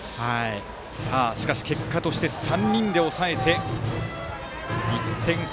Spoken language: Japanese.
しかし結果として３人で抑え、１点差。